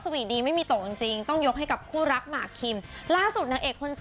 สวิตช์ดีไม่มีตรงจริงจริงต้องยกให้กับคู่รับมาร์กคิมล่าสุดนัก